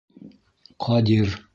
Ҡадир.